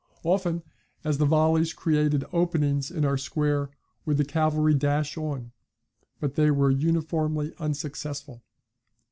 Often as the volleys created openings in our square would the cavalry dash on, but they were uniformly unsuccessful.